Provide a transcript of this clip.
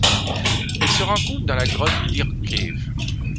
Elle se rencontre dans la grotte Deer cave.